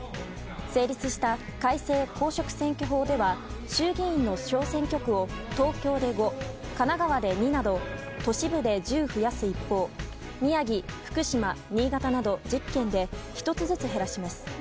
成立した改正公職選挙法では衆議院の小選挙区を東京で５、神奈川で２など都市部で１０増やす一方宮城、福島、新潟など１０県で１つずつ減らします。